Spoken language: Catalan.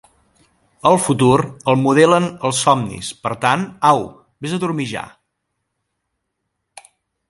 El futur el modelen els somnis, per tant, au, ves a dormir ja.